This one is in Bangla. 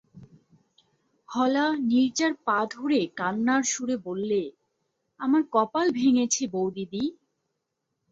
হলা নীরজার পা ধরে কান্নার সুরে বললে, আমার কপাল ভেঙেছে বউদিদি।